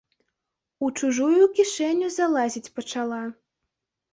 У чужую кішэню залазіць пачала.